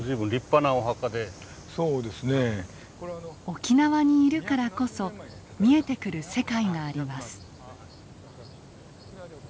沖縄にいるからこそ見えてくる世界があります。